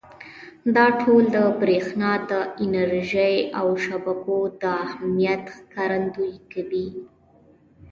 دا ټول د برېښنا د انرژۍ او شبکو د اهمیت ښکارندويي کوي.